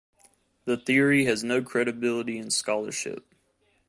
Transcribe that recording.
The theory has no credibility in scholarship.